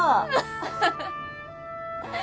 ハハハハ。